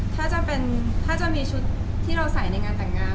ถ้าจะมีชุดที่เราใส่ในงานแต่งงาน